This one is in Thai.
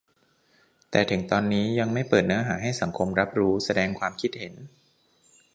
แต่ถึงตอนนี้ยังไม่เปิดเนื้อหาให้สังคมรับรู้-แสดงความคิดเห็น